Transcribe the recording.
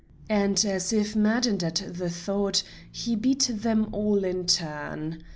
And as if maddened at the thought, he beat them all in turn.